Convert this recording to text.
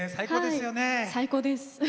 最高です。